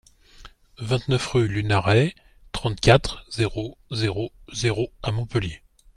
vingt-neuf rue Lunaret, trente-quatre, zéro zéro zéro à Montpellier